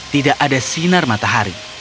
tidak ada sinar matahari